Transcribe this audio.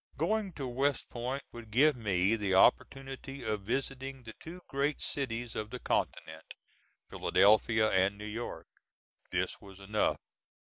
Going to West Point would give me the opportunity of visiting the two great cities of the continent, Philadelphia and New York. This was enough.